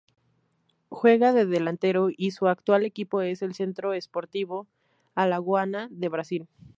Juega de delantero y su actual equipo es el Centro Sportivo Alagoano de Brasil.